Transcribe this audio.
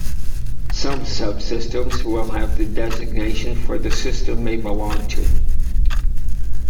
Some subsystems will have the designation for the system they belong to.